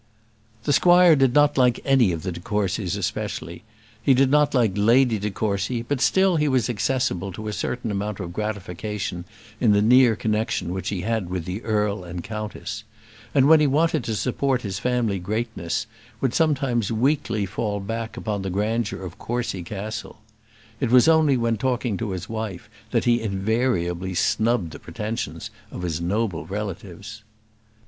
The squire did not like any of the de Courcys; especially, he did not like Lady de Courcy; but still he was accessible to a certain amount of gratification in the near connexion which he had with the earl and countess; and when he wanted to support his family greatness, would sometimes weakly fall back upon the grandeur of Courcy Castle. It was only when talking to his wife that he invariably snubbed the pretensions of his noble relatives.